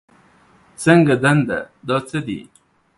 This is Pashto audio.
څنګه دنده، دا څه دي؟